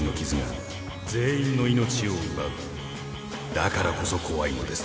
だからこそ怖いのです。